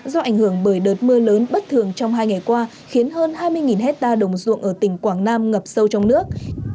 do ảnh hưởng bởi đợt mưa lớn bất thường trong hai ngày qua khiến hơn hai mươi hectare đồng ruộng ở tỉnh quảng nam ngập sâu trong nước